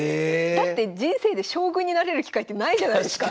だって人生で将軍になれる機会ってないじゃないですか。